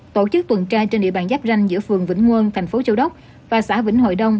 tổ chức tuần tra trên địa bàn giáp ranh giữa phường vĩnh quân thành phố châu đốc và xã vĩnh hội đông